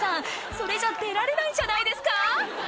それじゃ出られないんじゃないですか？